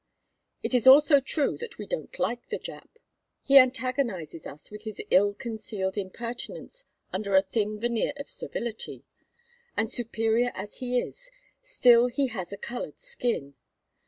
It is also true that we don't like the Jap. He antagonizes us with his ill concealed impertinence under a thin veneer of servility; and superior as he is, still he has a colored skin.